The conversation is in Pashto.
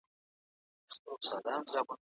د منځنۍ پېړۍ تاریخ ډېر پیچلی دی.